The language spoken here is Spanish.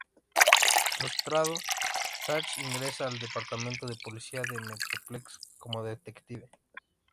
Frustrado, Zach ingresa al Departamento de Policía de Metroplex como detective.